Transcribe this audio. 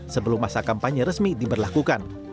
sebelum masa kampanye resmi diberlakukan